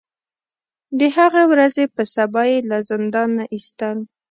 د هغې ورځې په سبا یې له زندان نه ایستل.